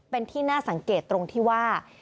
เป็นที่น่าสังเกตตรงที่ว่า